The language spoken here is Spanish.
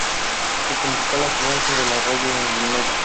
Su principal afluente es el arroyo del Medio.